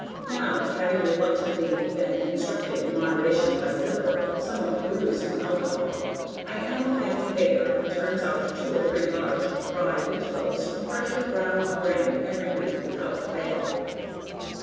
Now, having reluctantly been instructed in moderation by a liver somewhat bruised from alcohol, I am the family baker who turns out two or three large, rye/wheat loaves from freshly ground grain every week without fail.